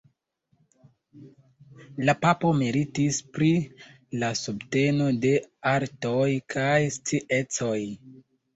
La papo meritis pri la subteno de artoj kaj sciencoj.